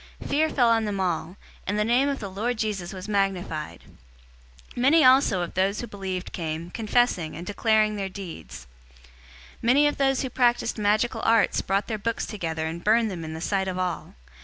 Fear fell on them all, and the name of the Lord Jesus was magnified. 019:018 Many also of those who had believed came, confessing, and declaring their deeds. 019:019 Many of those who practiced magical arts brought their books together and burned them in the sight of all.